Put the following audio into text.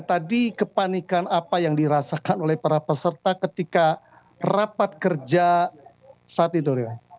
tadi kepanikan apa yang dirasakan oleh para peserta ketika rapat kerja saat itu rio